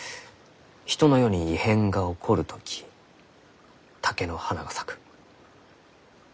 人の世に異変が起こる時竹の花が咲く。